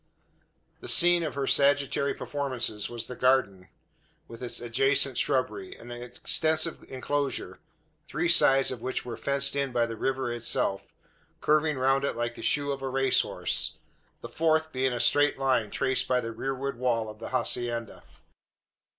The scene of her sagittary performances was the garden, with its adjacent shrubbery an extensive enclosure, three sides of which were fenced in by the river itself, curving round it like the shoe of a racehorse, the fourth being a straight line traced by the rearward wall of the hacienda.